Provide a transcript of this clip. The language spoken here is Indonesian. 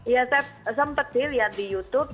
ya saya sempat sih lihat di youtube